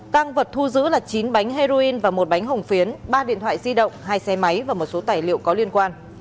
tăng vật thu giữ là chín bánh heroin và một bánh hồng phiến ba điện thoại di động hai xe máy và một số tài liệu có liên quan